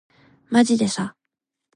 まじでさ